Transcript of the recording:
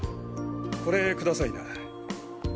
これくださいな。